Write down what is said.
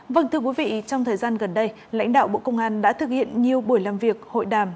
vâng thưa quý vị trong thời gian gần đây lãnh đạo bộ công an đã thực hiện nhiều buổi làm việc hội đàm